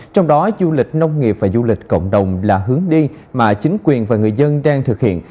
trong đó du lịch nông nghiệp và du lịch cộng đồng là hướng đi mà chính quyền và người dân đang thực hiện